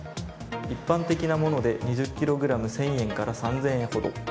一般的なもので２０ｋｇ１０００円から３０００円ほど。